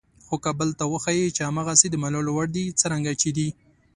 خو که بل ته وښایئ چې هماغسې د منلو وړ دي څرنګه چې دي.